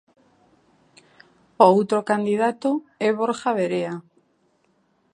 O outro candidato é Borja Verea.